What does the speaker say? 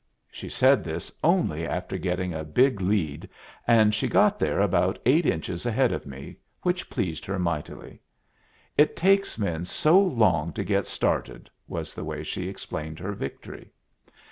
She said this only after getting a big lead, and she got there about eight inches ahead of me, which pleased her mightily. "It takes men so long to get started," was the way she explained her victory.